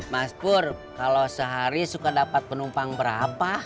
mas pur kalau sehari suka dapat penumpang berapa